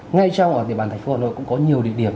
ngay trong địa bàn thành phố hà nội cũng có nhiều địa điểm